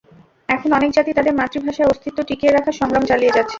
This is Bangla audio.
এখন অনেক জাতি তাদের মাতৃভাষায় অস্তিত্ব টিকিয়ে রাখার সংগ্রাম চালিয়ে যাচ্ছে।